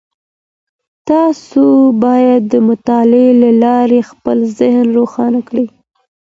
تاسو بايد د مطالعې له لاري خپل ذهن روښانه کړئ.